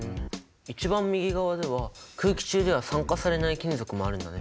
一番右側では空気中では酸化されない金属もあるんだね。